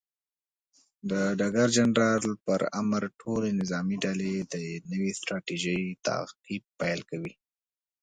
د ډګر جنرال پر امر، ټولې نظامي ډلې د نوې ستراتیژۍ تعقیب پیل کوي.